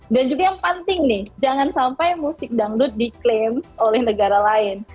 dan juga yang penting nih jangan sampai musik dangdut diklaim oleh negara lain